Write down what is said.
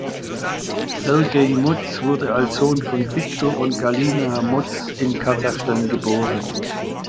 Sergej Motz wurde als Sohn von Victor und Galina Motz in Kasachstan geboren.